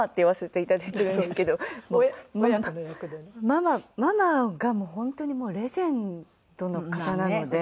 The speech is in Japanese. ママママがもう本当にレジェンドの方なので。